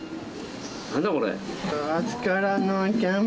何だこれ？